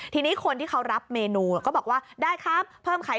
ทีนี้คนที่เขารับเมนูก็บอกว่าได้ครับเพิ่มไข่